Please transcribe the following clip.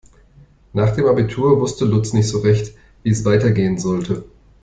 Nach dem Abitur wusste Lutz nicht so recht, wie es weitergehen sollte.